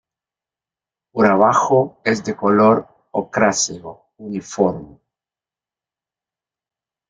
Por abajo es de color ocráceo uniforme.